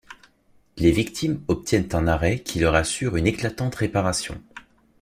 Les victimes obtinennent un arrêt qui leur assure une éclatante réparation.